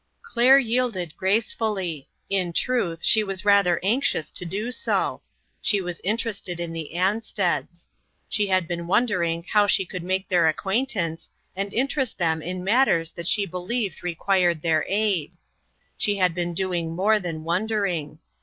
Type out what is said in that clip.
Claire yielded gracefully ; in truth, she was rather anxious to do so. She was interested in the Ansteds. She had been wondering how she could make their acquaintance, and in terest them in matters that she believed re quired their aid. She had been doing more than wondering.